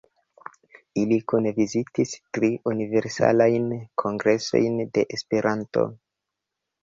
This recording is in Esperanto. Ili kune vizitis tri Universalajn Kongresojn de Esperanto.